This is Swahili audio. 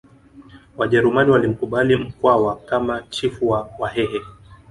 Wajerumani walimkubali Mkwawa kama chifu wa Wahehe